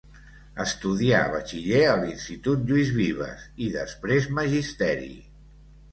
Estudià batxiller a l’Institut Lluís Vives i després Magisteri.